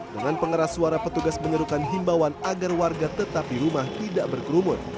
dengan pengeras suara petugas menyerukan himbawan agar warga tetap di rumah tidak berkerumun